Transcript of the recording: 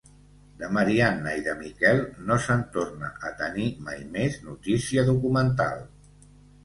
De Marianna i de Miquel, no se'n torna a tenir mai més notícia documental.